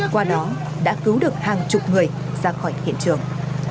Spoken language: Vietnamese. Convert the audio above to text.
qua đó đã cứu được hàng chục người ra khỏi hiện trường